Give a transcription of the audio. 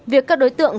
việc các đối tượng